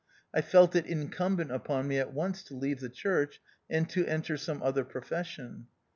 I felt it incumbent upon me at once to leave the Church, and to enter some other profession.